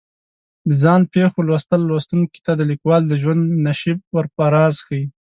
د ځان پېښو لوستل لوستونکي ته د لیکوال د ژوند نشیب و فراز ښیي.